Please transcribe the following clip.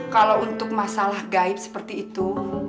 kalau untuk masalah gaib seperti itu